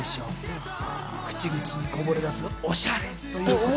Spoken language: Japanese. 口々にこぼれ出すオシャレという言葉。